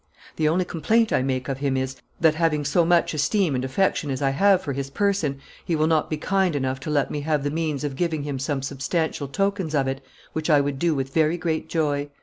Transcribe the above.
The only complaint I make of him is, that, having so much esteem and affection as I have for his person, he will not be kind enough to let me have the means of giving him some substantial tokens of it, which I would do with very great joy."